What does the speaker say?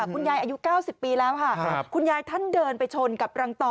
คุณยายอายุเก้าสิบปีแล้วค่ะคุณยายท่านเดินไปชนกับรังต่อ